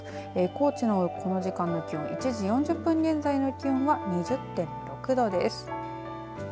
高知のこの時間の気温１時４０分現在の気温は２０．６度です。